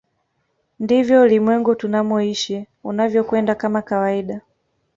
Ndivyo ulimwengu tunamoishi unavyokwenda kama kawaida